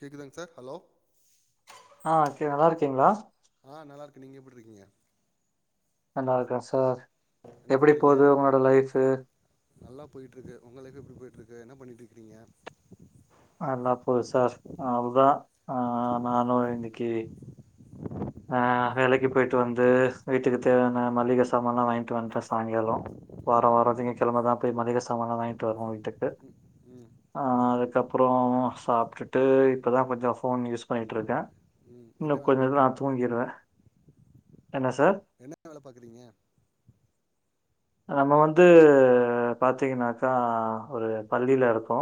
கேக்குதாங் sir hello ஆ கே நல்லா இருக்கீங்களா ஆ நல்லா இருக்க நீங்க எப்புட்ருக்கீங்க நல்லா இருக்க சார் என்ன எப்டி பண்றீங்க போது உங்களோட லைஃபு நல்லா போயிட்ருக்கு உங்க லைஃப் எப்டி போயிட்ருக்கு என்ன பண்ணிட் இருக்கிறீங்க நல்லா போது சார் ஆ அதுதா ஆ நானு இன்னிக்கி ஆ வேலைக்கு போயிட்டு வந்து வீட்டுக்கு தேவையான ம் மளிக சாமான்லா வாயிட்டு வன்டே சாயங்காலோ வார ம் வாரொ திங்க கெழமதா போய் மளிக சாமான்லா வாய்ன்ட்டு வருவோ வீட்டுக்கு ம் ம் ஆ அதுக்கப்பறோ சாப்டுட்டு இப்போ தா கொஞ்சோ ஃபோன் யூஸ் பண்ணிட்டுருக்கே ம் என்ன இன்னு வேல கொஞ்சதா பாக்குறீங்க சார் தூங்கிருவே என்ன வேல பாக்குறீங்க நம்ம வந்து ம் பாத்தீங்கனாக்கா ஒரு பள்ளியில இருக்கோ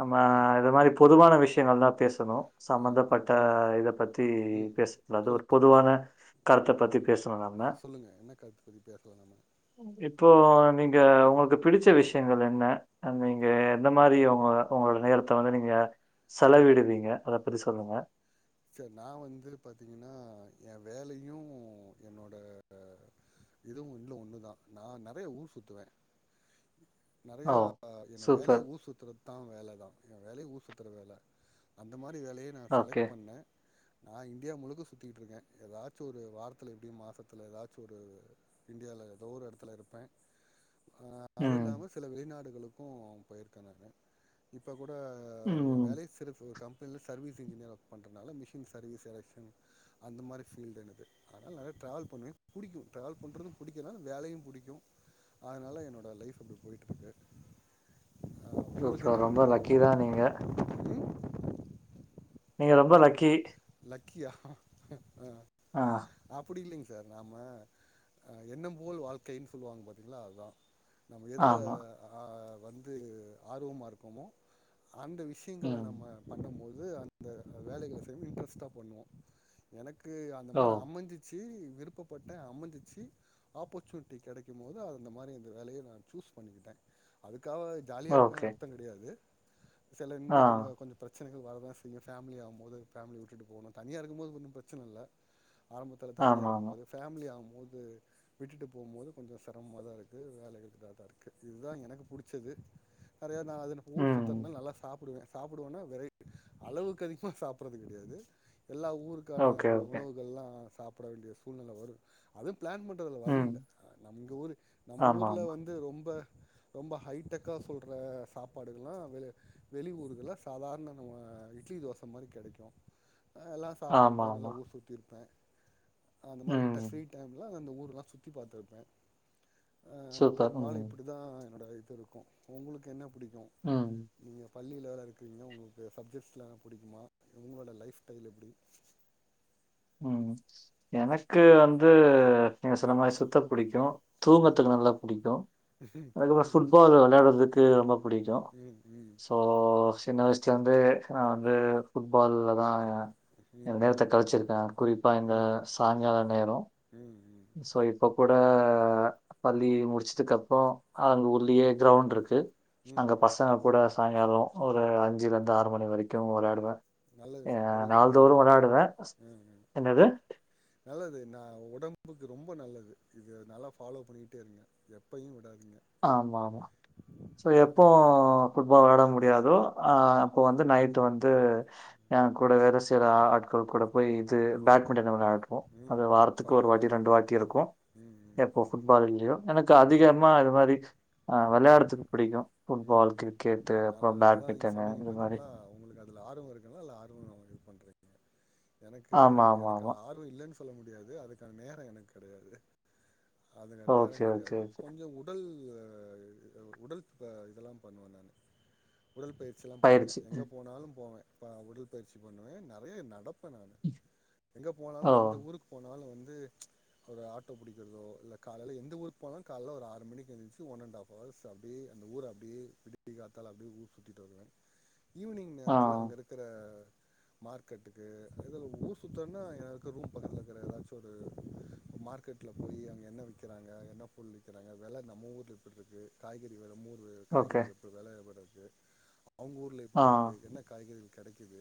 நம்ம ஆ இது மாதிரி பொதுவான விஷயங்கள் தா பேசனு ஆ ம் சம்பந்தப்பட்ட ம் இத பத்தி ம் பேச கூடாது ஒரு சொல்லுங்க பொதுவான கருத்த பத்தி பேச ஆ சொல்லுங்க என்ன கருத்து பத்தி பேசலா நம்ம இப்போ நீங்க உங்களுக்கு பிடிச்ச விஷயங்கள் என்ன நீங்க எந்த மாரி உங்க உங்களோட நேரத்த வந்து நீங்க செலவிடுவீங்க அத பத்தி சொல்லுங்க சார் நா வந்து பாத்தீங்கனா எ வேலையு என்னோட இதுவு இதுல ஒண்ணுதா நா நறைய ஊர் சுத்துவ ஓ! நெறையா என்னோட வேலையே சூப்பர். ஊர் சுத்துறது தான் வேலதா எ வேலயே ஊர்சுத்துற வேல அந்த மாரி வேலய நா ஓகே. செலக்ட் பண்ண நா இந்தியா முழுக்க சுத்திக்கிட்ருக்கே எதாச்சு ஒரு வாரத்தில இப்டி மாசத்ல எதாச்சு ஒரு இன்டியால எதோ ஒரு எடத்துல இருப்ப ஆனா அது ம். இல்லாம சில வெளிநாடுகளுக்கு போயிருக்க நானு இப்ப கூட அ ஏ ம். வேலையே சிறப்பு கம்பென்ல சர்வீஸ் இன்ஜினியரா ஒர்க் பண்ணுறதுனால மிஷின் சர்வீஸ் எலெக்ஷன் அந்த மாரி ஃபீல்டு என்னுது அதனால நெறைய ட்ராவல் பண்ணுவே புடிக்கு ட்ராவல் பண்றது புடிக்கு அதனால வேலையு புடிக்கு அதனால என்னோட லைஃப் அப்டி போயிட்ருக்கு ப்ரோ உங்களுக்கு சூப்பர். என்ன ரொம்ப புடிக்கு லக்கி தான் நீங்க. நீங்க ரொம்ப னக் லக்கி. லக்கியா ஆ, அப்பிடி இல்லிங் சார் நாம்ம அ எண்ணம்போல் வாழ்க்கைன் சொல்வாங் பாத்தீங்ளா அதா நம்ம எதுல ஆமா. ஆ வந்து ஆர்வமா இருப்பமோ அந்த விஷியங்கள ம். நம்ம பண்ணும்மோது அந்த வேலைகள செய்ய இன்ட்ரெஸ்ட்டா பண்ணுவோ எனக்கு அந்த ஓ! மாரி அமஞ்சிச்சு விருப்பப்பட்ட அமஞ்சிச்சி ஆப்பர்சுனிட்டி கெடைக்கும்மோது அது அந்த மாரி இந்து வேலய நா சூஸ் பண்ணிகிட்டே அதுக்காவே ஜாலியா இருக்கனு ஓகே. அர்த்த கெடையாது செல ஆ, இன்னு [unintelligible] கொஞ்சம் பிரச்சனைகள் வரதாச் திங்க ஃபேமிலியாம்மோது ஃபேமிலி விட்டுட்டு போனு தனியா இருக்கும்மோது ஒன்னும் பிரச்சன இல்ல ஆரம்பத்தல தனியா ஆமாமா. இருக்கும்மோது ஃபேமிலியாவும்மோது விட்டுட்டு போம்மோது கொஞ்சோ செரம்மாதா இருக்கு வேலைகள் இதாதா இருக்கு இதா எனக்கு புடிச்சது அறையா நா அதுன ஊர் ம். சுத்தர்னா நல்லா சாப்புடுவே சாப்புடுவன்னா வெரை அளவுக்கு அதிகமா சாப்பறது கெடையாது எல்லா ஊருக்கான ஓகே, உ ஓகே. உணவுகள்லா சாப் ப்ட வேண்டிய சூழ்நெல வரு அதும் பிளான் பண் ட்டதல ம். வழியில்ல அ நம்ங்க ஊரு நம்ம ஊர்ல ஆமாமா. வந்து ரொம்ப ரொம்ப ஹைட்டெக்கா சொல்ற சாப்பாடுகலா வெளே வெளிவூர்கள சாதார்ண நம்ம அது இட்லி தோச மாரி கெடைக்கு அ எல்லா சாப்ட்ருப்பே நல்லா ஆமாமா. ஊர் சுத்திருப்பே அ அந்த மாரி ம். இட்ட ஃப்ரீ டைம்ல அந்த ஊர்லா சுத்தி பாத்துருப்பே அ சூப்பர். பெரும்பாலு ம். இப்புடிதா என்னோட இது இருக்கு உங்குளுக்கு என்ன புடிக்கு ம் நீங்க பள்ளில வேற இருக்றீங்க உங்ளுக்கு சப்ஜெட்லா புடிக்குமா உங்ளோட லைஃப் டைல் எப்டி ம் எனக்கு வந்து நீங்க சொன்ன மாரி சுத்த புடிக்கு தூங்கத்துக்கு நல்லா புடிக்கு அதுக்கப்போ தூங்குறதுக்கு ஃபுட்பால் புடிக்கும் வெளையாட்றதுக்கு ரொம்ப புடிக்கு ம் ம் போ சின்ன வயிச்ட்லந்தே நா வந்து ஃபுட்பால்லதா எ எ ம் நேரத்த ம் கழிச்சிருப் த குறிப்பா இந்த ம் சாய்ங்கால நேரோ ம் ம் சோ இப் இப்பக் கூட பள்ளி முடிச்சதுக்கப்றோ அங்க உள்ளியே பா கிரௌண்ட்ருக்கு ம் அங்க ம் பசங்க கூடச் சாயங்காலோ ஒரு அஞ்சிலருந்து ஆறு மணி வரைக்கு வெளையாடுவே நல்லது சார் அ வெரி குட் நாள்தோறு எனக்கு வெளையாடுவே ம் ம் நல்லது நா ஒடம்புக்கு ரொம்ப நல்லது இது நல்லா ஃபாலோ பண்ணிட்டே இருங்க எப்பயு விடாதிங்க ஆமா மா சோ எப்போ ஃபுட்பால் வெளாட முடியாதோ ஆ அப்போ வந்து நைட்டு வந்து ஏங் கூட வேல செய்ற ஆட்கள் கூட போய் இது பேட்மிட்டன் வெளாட் போ ம் அது ம் வாரத்துக்கு ஒரு வாட்டி பரவாயில்லையே ரெண்டு வாட்டி இருக்கு ம் ம் எப்போ ம் ஃபுட்பால் இல்லியோ எனக்கு ம் அதிகம் மா அது மாரி ஆ வெளையாறதுக்கு புடிக்கு ம் ஃபுட்பால் ம் கிரிக்கெட்டு அப்றோ பேட்மிட்டனு இது மாரி இதுல ஆர்வோ இருக்குலா இல்ல ஆர்வோ இது பண்றீங்க எனக்கு ஆமா ஆமா ஆமா எனக்குல ஆர் வோ இல்லனு சொல்ல முடியாது அதுக்கான நேரோ எனக் கெடயாது அதுல ஓகே நேரங் ஓகே கெடையாது ஓகே கொஞ்சோ உடல் அ உடல்ப் ப இதெலாம் பண்ணுவே நானு உடல்ப்பயிற் சிலாம் பண்ணுவே பயிற்சி எங்க ம் போனாலும் போவே ப உடல்பயிற்சி பண்ணுவே நெறய நடப் ப்பே நானு எங்க போனாலு ஓ எந்த ஊருக்கு போனாலு வந்து ஒரு ஆட்டோ புடிக்கிறதோ இல்லக் காலைல எந்த ஊருக் போனாலு கால்ல ஒரு ஆறு மணிக்கு எந்ச் ஒன் அண்ட் ஆப் அவர்ஸ் அப்டியே அந்த ஊர அப்டியே விடிகாத்தால அப்டியே ஊர் சுத்திட்டு வருவே ஈவினிங் ஆ நேரத்துல அங்க இருக்குற மார்க்கெட்டுக்கு எதுல ஊர் சுத்தன்னா எனக்கு ரூம் பக்கத்துல இருக்குற ஏதாச்சு ஒரு மார்க் மார்க்கெட்ல போய் அங்க என்ன விக்கிறாங்க என்ன பொருள் விக்கிறாங்க வெல நம்ம ஊர் எப்பிட்ருக்கு காய்கறி வெல நம்மூரூ ஓகே காய்கறி எப்டி வெல எப்பிட்ருக்கு அவங்க ஊர் ல ஆ எப்பிடிருக்கு என்ன காய்கறி கெடைக்குது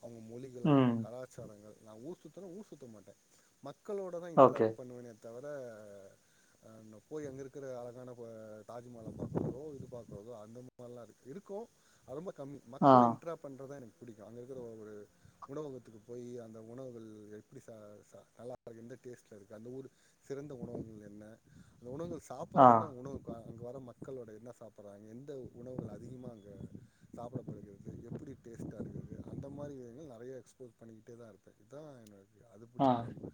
அவங்க மொழிகள் அவங்கள ம் கலா ச்சாரங்கள் நா ஊர் சுத்துனா ஊர் சுத்த மாட்டே மக்களோடதா ஓகே இன்ட்ராப் பண்ணுவனே தவர அ நா போய் அங்க இருக்குற அழகான இப்பொ தாஜ்மஹால பாக்கறதோ இது பாக்றதோ அந்த மாரிலா இருக் இருக்கு அரொம்ப கம்மி ஆ மக்களு இண்ட்ராப் பண்றதா எனக் புடிக்கு அங்க இருக்கிற ஒரு உணவகத்துக்கு போயி அந்த உணவுகள் எப்டி சா ச நல்லா எந்த டேஸ்ட்ல இருக்கு அந்த ஊரு சிறந்த உணவுகள் என்ன அந்த உணவுகள் ஆ சாப்பட்றதோட உணவுக்கா அங்க வர மக்களோட என்ன சாப்பட்றாங்க எந்த உணவுகள் அதிகமா அங்க சாப்படப்படுகிறது எப்பிடி டேஸ்ட்டா இருக்குது அந்த மாரி விஷயங்கள் நெறைய எக்ஸ்போஸ் பண்ணிக்கிட்டே தா இருப்பே இதா என்னோட ப்டியா அது புடிக்கு ஆ கொழம்பு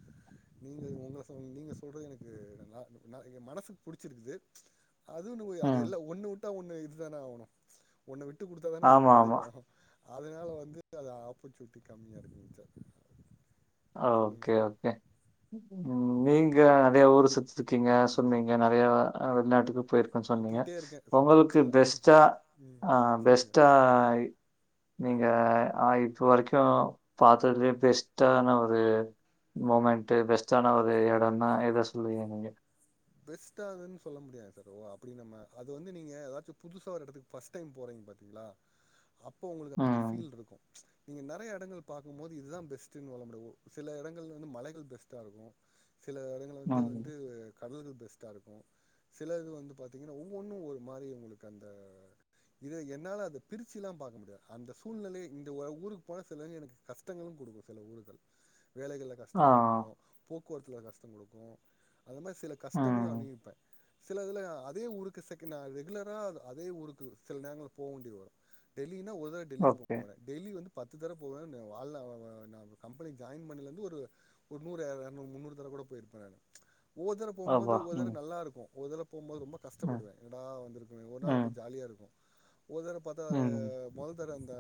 நீங்க உங்கள சொ நீங்க சொல்றது எனக்கு நா நா ஏ‌ மனசுக் புடிச்சிருக்குது அதுவுனு போய் அது ம். எல்லா ஒண்ணுவுட்டா ஒண்ணு இதுதான ஆவணு ஒண்ண விட்டு குடுத்தாதானே ஒண்ணு ஆமா, ஆமா. கெடைக்கூ அதனால வந்து அத ஆப்பர்ச்சுனிட்டி கம்மியா இருந்துச்ச அ ஓகே ஓகே உம் நீங்க அதே ஊர சுத்சுக்கீங்க ம் சொன்னீங்க நெறையா அ வெளிநாட்டுக்கு போயிருக் கன் சொன்னீங்க சுற்றிக்கிட்டே இருக்கேன் சுற்றிக்கிட்டு ஒங்களுக்கு இல்லை பெஸ்ட்டா ம் ஆ சொல்லுங்கள் பெஸ்ட்டாய் நீங்க ஆ இப்ப வரைக்கு பாத்ததுலயே பெஸ்ட்டா ன ஒரு மொமெண்ட்டு பெஸ்ட்டான ஒரு எடொனானா எத சொல்வீங்க நீங்க பெஸ்ட்டாதுன் சொல்ல முடியாது ப்ரோ அப்டி நம்ம அது வந்து நீங்க ஏதாச்சு புதுசா ஒரு எடத்துக் ஃபர்ஸ்ட் டைம் போறீங்க பாத்தீங்ளா அப்போ உங்களுக்கு அந்த ம். ஃபீல் இருக்கு நீங்க நெறையா எடங்கள் பாக்கும்போது இதுதா பெஸ்ட்டுன் சொலமுடியாது ப்ரோ சில எடங்கள்ல வந்து மலைகள் பெஸ்ட்டா இருக்கு சில எடங்கள வந்து ம். வந்து கடல்கள் பெஸ்ட்டா இருக்கு சிலது வந்து பாத்திங்கனா ஒவ்வொன்னு ஒரு மாரி உங்களுக்கு அந்த இத என்னால அத பிரிச்சயிலா பகக்க முடியாது அந்த சூழ்நிலைய இந்த ஒ ஊருக்கு போன சிலவங்க எனக்கு கஷ்டங்களு குடுக்கு சில ஊருகள் வேலைகள ஆ. கஷ்டங் கொடுக்கோ போக்குவரத்துல கஷ்டம் கொடுக்கோ அத மாரி சில கஷ்டங்களு ம். அனுவிப்பே சில இதுல அதே ஊருக்கு செகண்ட்டா ரெகுலரா அத் அதே ஊருக்கு சில நேரங்கள போவேண்டியது வரு டெல்லின்னா ஒருதட டெல்லிக்கு போ ஓகே. போனே டெல்லி வந்து பத்து தர போவே நா வாழ்னா நா கம்பெனிக் ஜாயின் பண்ணலந்து ஒரு ஒரு நூறு எ எரனூரு முன்னூறு தரக்கூட போயிருப்பே நானு ஒவ்வொரு தரப்போம்போது அப்பா! ஒருதர ம். நல்லா இருக்கு ஒருதரப்போம்போது ரொம்ப ம். கஷ்டப்படுவே எங்கடா வந்திருக்கமே ஒரு நாள் ரொம்ப ம். ஜாலியாக இருக்கு ஒருதர பாத்தா அ ம். மொதல் தட அந்த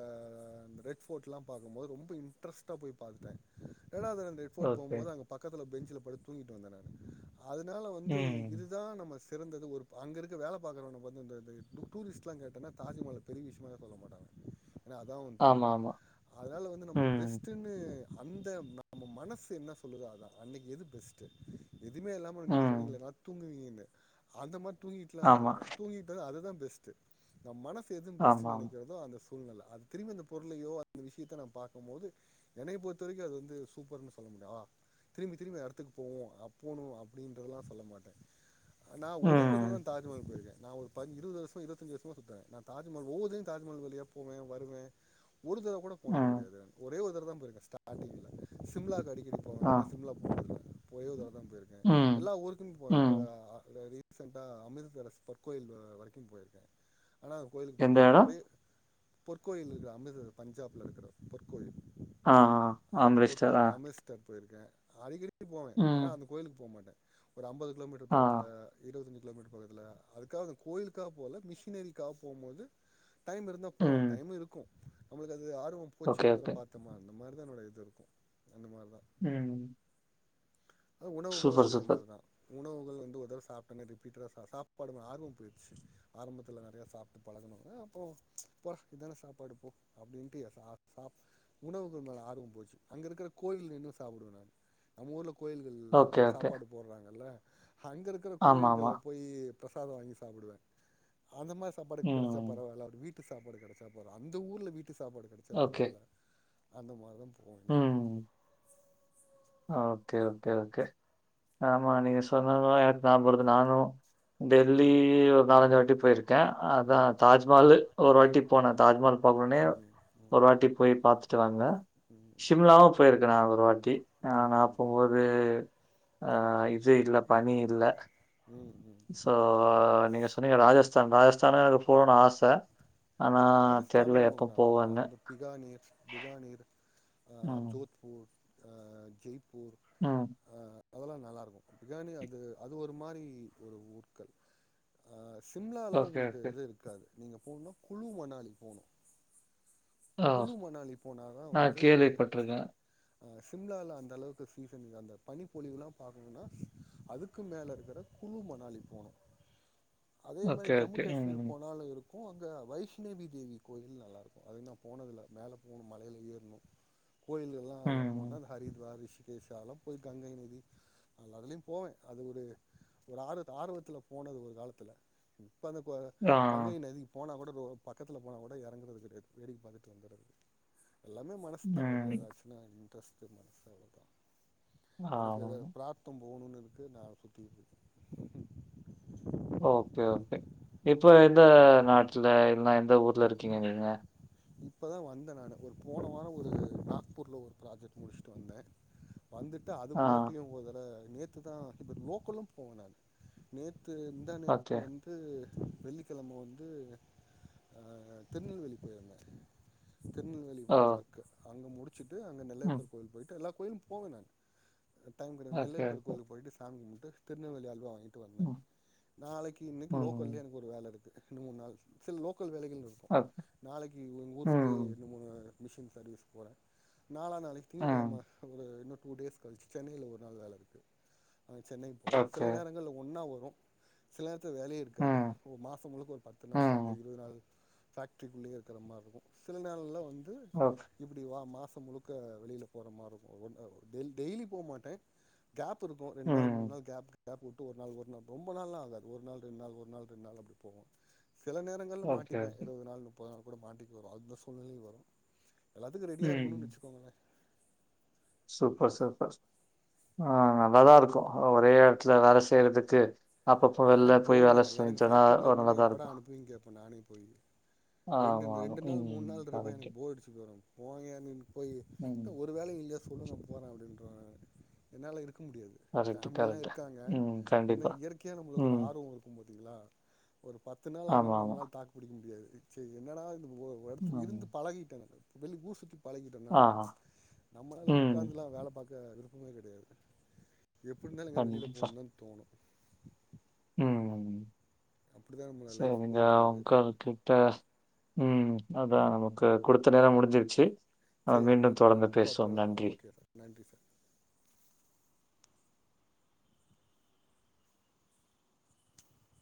ரெட் ஃபோர்ட்லா பாக்கம்போது ரொம்ப இன்ட்ரஸ்ட்டா போய் பாத்துட்டே ரெண்டாது தட அந்த ஃபோர்ட் ஓகே. போம்போது அங்க பக்கத்துல பெஞ்சுல படுத் தூங்கிட்டு வந்த நானு அதுனால வந்து ம். இதுதா நம்ம ஸ் சிறந்தது ஒருபா அங்கருக்க வேலப்பாக்கறவன பாத்து அந்த த டு டூரிஸ்ட்லா கேட்டனா தாஜுமஹால பெரிய விஷயமாவே சொல்ல மாட்டாங்க எனா அதா அவ தொழில் ஆமாமா. அதனால வந்து நம்மலுக் ம். பெஸ்ட்டுன் னு அந்த நம்ம மனசு என்ன சொல்லுதோ அதா அன்னைக்கு எது பெஸ்ட்டு எதுமே இல்லாம நீங்க ம். சொன்னீங்கலே நா தூங்குவீங்கன்னு அந்த மாரி தூங்கிட்டுல்லா ஆமா, இருந்துருக்க தூங்கிட்டு அதுதா பெஸ்ட்டு நம் மனசு எது பெஸ்ட்டு ஆமாமா. நெனைக்கிறதோ அந்த சூழ்நெல அது திரும்பி அந்த பொருளையோ அந்த விஷியத்த நா பாக்கு போது என்னைய பொறுத்த வரிக்கு அது வந்து சூப்பர்ன்னு சொல்ல முடியா திரும்பி திரும்பி அந்த எடத்துக்கு போவோ அப் பூணு அப்டின்றதெல்லா சொல்ல மாட்டே நா ஒரே ஒரு ம், தரவதா தாஜ்மஹால் போயிருக்கே நா ஒரு இருவது வருஷோ இருபத்தஞ்சு வருஷோமா சுத்துரே நா தாஜ்மால் ஒவ்வொருதடவயு தாஜ்மஹால் வழிய போவே வருவே ஒரு தடவை கூட போனது ம், கெடையாது ஒரே ஒரு தரவ தா போயிருக்க ஸ்டார்டிங்கல சிம்லாக்கு அடிக்கடி போவே ஆ, ஏனா சிம்லா ஒரே ஒரு தர்வதா போயிருக்கே ம், எல்லா ஊருக்கு போவே இப்ப ம். ரி ரீசன்டா அமிர்தரஸ் பொற்கோயில் வரைக்கு போயிருக்கே ஆனா கோயிலுக்கு எந்த போனதில்ல இடம்? ஒரே பொற்கோயில் இருக்குற அமிர்தர பஞ்சாப்ல இருக்குற பொற்கோயில் ஆ ஆ அம்ரிஷ்டர்ரா ஆ த்தர் போயிருக்கே அடிக்கடி போவே ம், ஆனா அந்த கோயிலுக்கு போமாட்டே ஒரு அம்பது கிலோமீட்டர் ஆ, பக்கத்துல இருவத்தெஞ்சு கிலோமீட்டர் பக்கத்துல அதுக்காக அந்த கோயிலுக்காக போல மிஷினரிக்காக போம் போது டைம் இருந்தா போவ ம். டைம் இருக்கு நம்ளுக்கு அது ஆர்வோ போச்சு ஓகே, ஒரு தடவ ஓகே. பாத் தமா அந்த மாரிதா என்னோட இது இருக்கு அந்த மாரி தா ம் அ உணவுகள் சூப்பர், அதே சூப்பர். மார்தா உணவுகள் வந்து ஒருதர்வ சாப்பிட்டனே ரிப்பீட்டடா சாப்பாடு ஆர்வோ போயிடுச்சு ஆரம்பத்துல நெறைய சாப்ட்டு பழகனோன்ன அப்போ போடா இதான சாப்பாடு போ அப்டின்ட்டு சா சாப் உணவுகள் மேல ஆர்வோ போச்சு அங்க இருக்குற கோயில்ல நின்னு சாப்பிடுவே நானு நம்ம ஊர்ல கோயில்கள் ஓகே, நம்ம ஓகே. சாப்பாடு போடுறாங்கல்ல அங்க இருக்குற ஆமாமா. கோயில்கள்ல போயி பிரசாதோ வாங்கி சாப்பிடுவே அந்த மாரி சாப்பாடுக்கு கெடச்சா ம். பரவாயில்ல அவரு வீட் வீட்டு சாப்பாடு கெடைச்சா பரவா அந்த ஊர்ல வீட்டு சாப்பாடு கெடச்சா ஓகே. பரவாயில்ல அந்த மாதம் ம். [unintelligible] ஓகே ஓகே ஓகே ஆமா நீங்க சொன்னதுலா எனக்கு ஞாபகோ வருது நானு டெல்லி ஒரு நாலஞ்சு வாட்டி போயிருக்கே அதா ம் தாஜ்மஹால்லு ஒரு வாட்டி போன தாஜ்மஹால் பாகனுனே ம் ம் ஒரு வாட்டி போய் பாத்துட்டு வாங்க ம் ஷிம்லாவு போயிருக்கே நா ஒரு வாட்டி ஆ ம் நா ம் ம் போம்போது ஆ இது இல்ல பணி இல்ல ம் ம் ஸோ நீங்க சொன்னீங்க ராஜஸ்தான் ராஜஸ்தானு எனக்கு போனூனு ஆச ஆனா ராஜஸ்தானு தெர்ல எப்போ நல்லாருக்கு போவன்னு அது இந்த பிகானீர் பிகானீர் அ ம். ஜோத்பூர் அ ஜெய்ப்பூர் ம் அதெல்லா நல்லாருக்கு பிகானீ அது அது ஒரு மாரி ஒரு ஊற்க்கள் அ சிம்லால ஓகே, உங்களுக்கு ஓகே. இது இருக்காது நீங்க போணுனா குழு மணாலி போனு ஆ குழு மணாலி போனா தா வந்து போய்ருக்கே சிம்லால அந்த அளவுக்கு சீசன்க்கு அந்த பனிப்பொழிவுலா பாக்கணுனா அதுக்கு மேல இருக்குற குழு மணாலி போனு [inaudible] அதே மாரி ஓகே, ஜம்மு ஓகே. காஷ்மீர் ம். போனாலு இருக்கு இருக்கு அங்க வைஷ்ணேவி தேவி கோயில் நல்லா இருக்கு அதுக்கு நா போனதுல்ல மேல போனு மலையில ஏற்ணு கோயில்கள்ல்லா எல்லா போன்னா ம். இந்த ஹரித்வார் ரிஷிகேஷ் அதெல்லா போய் கங்கை நதி நல்லாதுலயு போவே அது ஒரு ஆர்வ ஆர்வத்துல போனது ஒரு காலத்துல இப்ப அதுப்பா ஆ. கங்கை நதி போனா கூட ரோ பக்கத்துல போனா கூட எறங்குறது கெடையாது வேடிக்க பாத்துட்டு வந்துர்றது எல்லாமே மனசுதா இதுல ம். ஏதாச்சுனா இன்ட்ரெஸ்ட் மனசு அவ்ளோதா எனக்கு அத ஆமாங்க. ப்ராத்தோ போணுனு இருக்கு நா சுத்திட்டுருக்கே ஓகே ஓகே இப்போ எந்த நாட்டுல இல்ல எந்த ஊர்ல இர்க்கீங்க நீங்க இப்போதா வந்தே நானு ஒரு போன வாரோ ஒரு நாக்பூர்ல ஒரு ப்ராஜெக்ட் முடிச்ட்டு வந்தே வந்துட்டு ஆ. அதுக்குள்ளாட்டியு ஒருதட நேத்து தா இப்போ லோக்கலு போனே நேத்து முந்தா நேத்து ஓகே. வந து வெள்ளிக்கிழம வந்து அ திருநெல்வேலி போய்ருந்தே ஓ! திருநெல்வேலில ஒரு வொர்க்கு அங்க முடிச்சுட்டு அங்க ம். நெல்லையப்பர் கோயில் போயிட்டு எல்லா கோயிலு போவே நானு ஆ டைம் கெடக்கூ ஓகே, நெல்லையப்பர் ஓகே. கோவிலுக்கு போயிட்டு சாமி கும்ப்ட்டு திருநெல்வேலி அல்வா வாங்கிட்டு வந்தே ம். நாளக்கீ இன்னெக்கி லோக்கல்லயே ம். எனக்கு ஒரு வேல இருக்கு ரெண்டு மூணு நாள் சில லோக்கல் வேலைகளு இருக் ஓகே இங் உங்க ஊருக்குள்ளேயே ம். இன்னு மூணு மிஷின் சர்வீஸ்க்கு போறே நாளா நாளைக்கு திங்க கெழம ஒரு இன்னும் டூ டேஸ் கழிச்சு சென்னையில ஒரு நாள் வேல இருக்கு அங்க சென்னைக்கு போவே சில நேரங்கள்ல ஒன்னா வரு சில நேரத்துல வேலையே இருக்காது ஒ மாசோ முழுக்க ஒரு பத்து நாள் பதிஞ்ச இருவது நாள் ஃபேக்ட்ரிக்குள்ளயே இருக்குற மாரி இருக்கு சில நாள்ல்லா வந்து இப்டி வா மாசோ முழுக்க வெளில போற மாரிருக்கு ஒ டெய்லி போ மாட்டே கேப்புருக்கு ரெண் நாள் மூன் ம். நாள் கேப் கேப் வுட்டு ஒரு நாள் ஒரு நாள் ரொம்ப நாள்ளா ஆகாது ஒரு நாள் ரெண்டு நாள் ஒரு நாள் ரெண்டு நாள் அப்டி போவோ சில நே ங்களல மாட்டிப்பே இருவது நாள் முப்பது நாள் கூட மாட்டிக்கு வரு அந்த சூழ்நெலையு வரு எல்லாத்துக்கு ரெடியாருக்கணுனு ம். வச்க்கோங்களே சூப்பர் சூப்பர் ஆ நல்லாதா இருக்கு ஒரே எடத்துல வேல செய்றதுக்கு அப்பப்ப வெள்ல எனக்கு போய் வேல செஞ்சோம்னா ஒரு நல்லதாருக்கு அது இங்கேபோ நானே போய் ரெண்டு ஆமா, ஆமா. ரெண்டு நாள் மூணு ம். நாள் இருப்பே கரெக்ட். எனக்கு போரடிச்சு பொய்ரு போங்கயானு போய் த ம். ஒத் ஒரு வேலையு இல்லயா சொல்லுங்க போறே அப்டீன்றுவே என்னால இருக்க முடியாது கரெக்ட், ஃபேமிலில்லா கரெக்ட். இருக்காங்க ம். இன்னு கண்டிப்பா. இயற்கையா நம்மளுக்கு ஒரு ம். ஆர்வோ வரு மோத்திங்களா ஒரு பத்து நாள் ஆனா ஆமா, ஆமா. நம்மளால தாக்கு பிடிக்க முடியாது செய் என்னடா இது ஒ ஒர் எடத்துல இருந்து ம். பழகிட்டே வெளி ஊர் சுத்தி பழகிட்டேனா ஆஹா. நம்மளால் ம். ஒட்காந்துலா வேல பாக்க விருப்பமே கெடையாது எப்டி இருந்தாலு எங்கயாவ்து வெளில கண்டிப்பா. போணுந்தான்னு தோணு உம் அப்டிதா நம்ம லைஃப் சேரிங்க போயிட்ருக்குது ஒங்கள் கிட்ட ம் அதான் நமக்கு குடுத்த நேரோ முடிஞ்சிருச்சு நம்ம சேரிங்க மீண்டும் சார் ஆ தொடர்ந்து அப்பா பேசுவோ தொடரலா நன்றி ஓகே சார் நன்றி சார்